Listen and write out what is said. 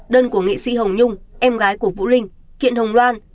đơn của nghệ sĩ hồng nhung em gái của vũ linh kiện hồng loan